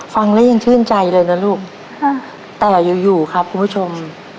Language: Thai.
ฟังแล้วยังชื่นใจเลยนะลูกแต่อยู่อยู่ครับคุณผู้ชม